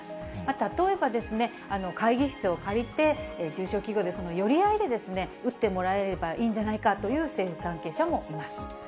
例えば、会議室を借りて、中小企業で寄り合いで打ってもらえばいいんじゃないかという政府関係者もいます。